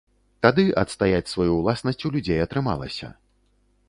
Тады адстаяць сваю ўласнасць у людзей атрымалася.